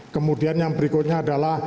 kemudian yang berikutnya adalah